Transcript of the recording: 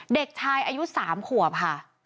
เด็กชายอายุ๓ขวบค่ะ